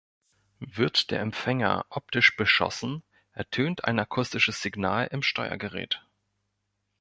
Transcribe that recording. Wird der Empfänger optisch beschossen, ertönt ein akustisches Signal im Steuergerät.